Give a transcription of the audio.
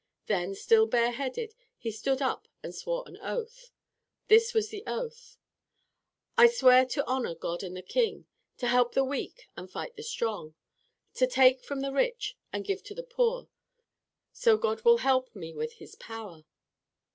Then, still bareheaded, he stood up and swore an oath. This was the oath: "I swear to honor God and the King, To help the weak and fight the strong, To take from the rich and give to the poor, So God will help, me with His power."